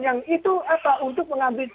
yang itu apa untuk mengambil